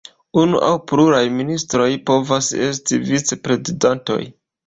Unu aŭ pluraj ministroj povas esti vic-prezidantoj.